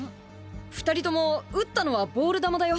２人とも打ったのはボール球だよ？